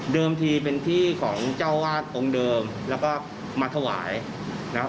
ทีเป็นที่ของเจ้าวาดองค์เดิมแล้วก็มาถวายนะครับ